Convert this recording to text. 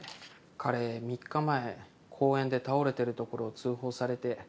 彼３日前公園で倒れてるところを通報されて。